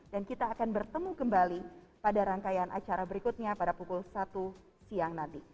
dan kita akan bertemu kembali pada rangkaian acara berikutnya pada pukul satu siang nanti